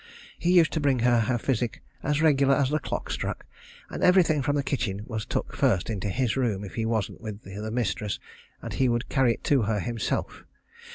He used to bring her her physic as regular as the clock struck, and everything from the kitchen was took first into his room if he wasn't with the mistress, and he would carry it to her himself.